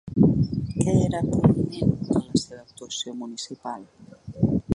Què era prominent en la seva actuació municipal?